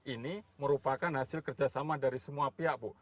ini merupakan hasil kerjasama dari semua pihak bu